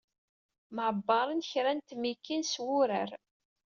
Mɛebbaṛen kra n tmikin s wurar.